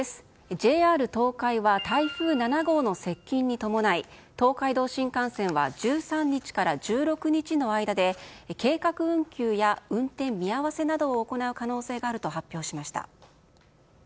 ＪＲ東海は台風７号の接近に伴い東海道新幹線は１３日から１６日の間で計画運休や運転見合わせなどを行う可能性があると発表しました。